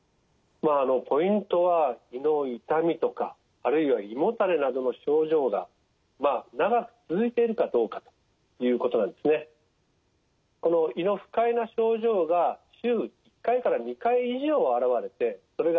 ポイントは胃の痛みとかあるいは胃もたれなどの症状が長く続いているかどうかということなんですね。というのが一つの基準です。